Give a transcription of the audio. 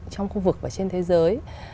trong khu vực và trên thế giới